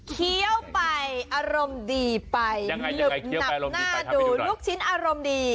เคี้ยวไปอารมณ์ดีไปหนึบหนับหน้าดูลูกชิ้นอารมณ์ดี